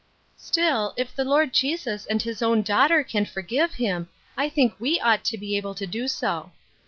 " Still, if the Lord Jesus and his own daugh ter can forgive him, I think we ought to be able to do so."